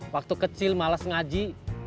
waktu kecil malas ngaji